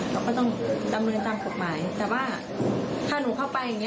เราก็ต้องดำเนินตามกฎหมายแต่ว่าถ้าหนูเข้าไปอย่างเ